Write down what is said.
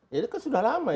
jadi kan sudah lama itu